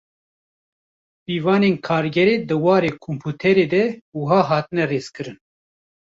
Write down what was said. Pîvanên Kargerê di warê komputerê de wiha hatine rêzkirin.